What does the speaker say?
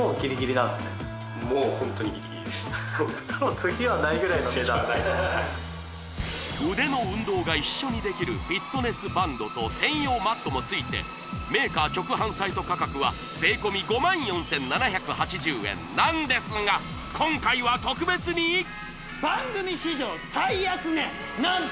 次はないぐらいの値段腕の運動が一緒にできるフィットネスバンドと専用マットもついてメーカー直販サイト価格は税込５４，７８０円なんですが今回は特別に番組史上最安値何と！